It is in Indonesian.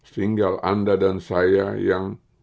tinggal anda dan saya yang